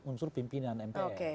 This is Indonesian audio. untuk unsur pimpinan mpr